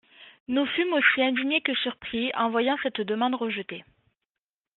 Nous fûmes aussi indignés que surpris en voyant cette demande rejetée.